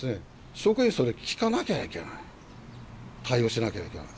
職員はそれを聞かなきゃいけない、対応しなきゃいけない。